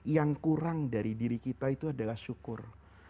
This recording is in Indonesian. yang kurang dari diri kita itu adalah syukur